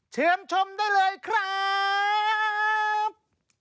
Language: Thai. เชิญชมได้เลยครับ